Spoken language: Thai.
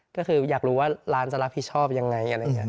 ก็คืออยากรู้ว่าร้านจะรับผิดชอบยังไง